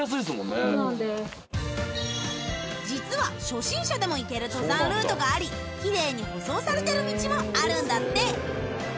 実は初心者でも行ける登山ルートがありキレイに舗装されている道もあるんだって